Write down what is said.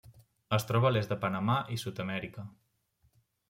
Es troba a l'est de Panamà i Sud-amèrica.